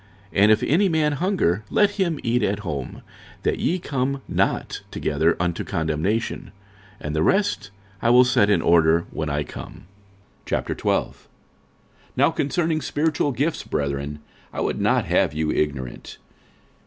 46:011:034 And if any man hunger, let him eat at home; that ye come not together unto condemnation. And the rest will I set in order when I come. 46:012:001 Now concerning spiritual gifts, brethren, I would not have you ignorant.